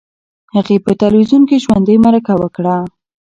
هغې په تلویزیون کې ژوندۍ مرکه وکړه.